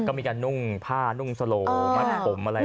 ก็มีการนุ่งผ้านุ่งสโลมัดผมอะไร